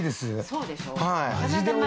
そうでしょう。